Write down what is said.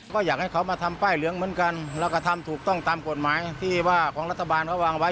ก็อยากให้เขามาทำป้ายเหลืองเหมือนกันแล้วก็ทำถูกต้องตามกฎหมายที่ว่าของรัฐบาลเขาวางไว้